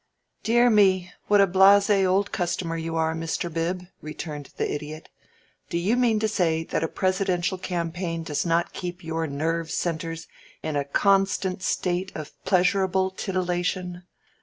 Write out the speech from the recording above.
"Dear me, what a blasé old customer you are, Mr. Bib," returned the Idiot. "Do you mean to say that a Presidential campaign does not keep your nerve centres in a constant state of pleasurable titillation?